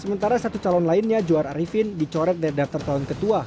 sementara satu calon lainnya juwar arifin dicoret dari daftar calon ketua